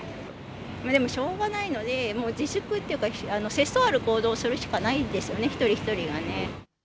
でもしょうがないので、自粛っていうか、節操ある行動をするしかないですよね、一人一人がね。